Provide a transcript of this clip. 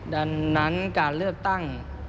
ดังนั้นการเลือกตั้ง